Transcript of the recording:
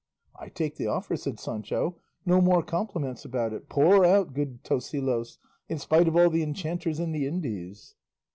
"I take the offer," said Sancho; "no more compliments about it; pour out, good Tosilos, in spite of all the enchanters in the Indies."